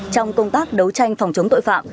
trong công tác đấu tranh phòng chống tội phạm